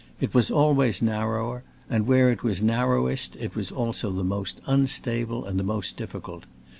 It was always narrow, and where it was narrowest it was also the most unstable and the most difficult.